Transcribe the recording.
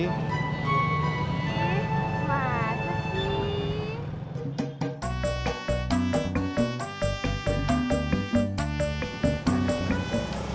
iya masa sih